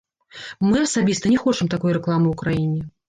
Мы асабіста не хочам такой рэкламы ў краіне.